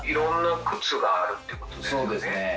いろんな靴があるっていうことですね？